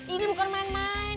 ini bukan main main